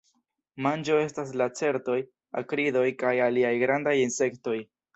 Manĝo estas lacertoj, akridoj kaj aliaj grandaj insektoj.